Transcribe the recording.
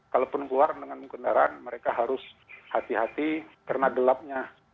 kalaupun keluar dengan kendaraan mereka harus hati hati karena gelapnya